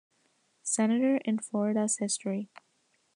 Senator in Florida's history.